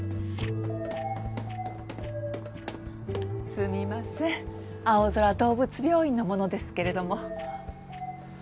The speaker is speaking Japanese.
・すみませんあおぞら動物病院の者ですけれども。